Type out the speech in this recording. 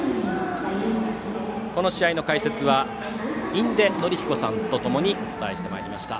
この試合の解説は印出順彦さんとともにお伝えしてまいりました。